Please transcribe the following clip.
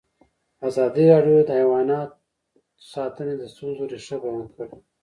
ازادي راډیو د حیوان ساتنه د ستونزو رېښه بیان کړې.